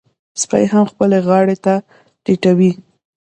سپی مې خپلې غاړې ته ټيټوي.